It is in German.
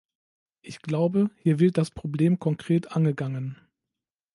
Ich glaube, hier wird das Problem konkret angegangen.